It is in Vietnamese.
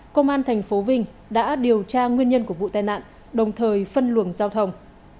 công an tp vinh đã điều tra nguyên nhân của vụ tai nạn đồng thời phân luồng giao thông